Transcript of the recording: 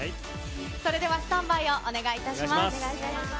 それではスタンバイをお願いします。